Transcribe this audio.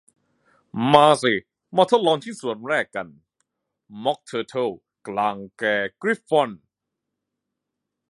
มาสิ มาทดลองชิ้นส่วนแรกกัน ม็อคเทอร์เทิลกล่างแก่กริฟฟอน